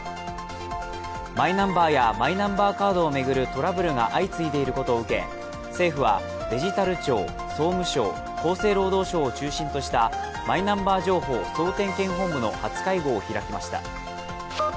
マイナンバーやマイナンバーカードを巡るトラブルが相次いでいることを受け政府はデジタル庁、総務省、厚生労働省を中心としたマイナンバー情報総点検本部の初会合を開きました。